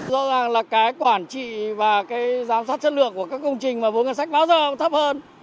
do rằng là cái quản trị và cái giám sát chất lượng của các công trình mà vô ngân sách bao giờ cũng thấp hơn